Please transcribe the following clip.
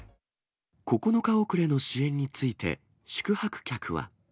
９日遅れの支援について、宿泊客は。